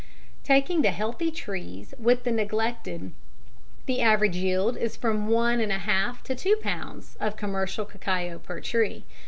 Taking the healthy trees with the neglected, the average yield is from 1 1/2 to 2 pounds of commercial cacao per tree.